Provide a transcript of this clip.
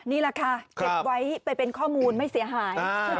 นี่แหละค่ะเก็บไว้ไปเป็นข้อมูลไม่เสียหาย